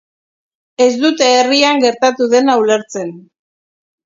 Ez dute herrian gertatu dena ulertzen.